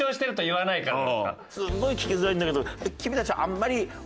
すごい聞きづらいんだけど。